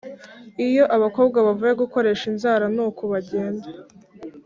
Iyo abakobwa bavuye gukoresha inzara nuku bagenda